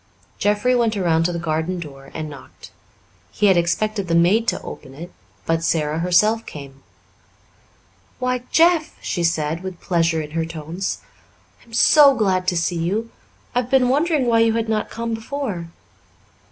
Jeffrey went around to the garden door and knocked. He had expected the maid to open it, put Sara herself came. "Why, Jeff," she said, with pleasure in her tones. "I am so glad to see you. I have been wondering why you had not come before."